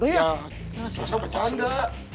ya selesai bercanda